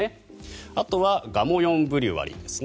あとはがもよんブリュワリーですね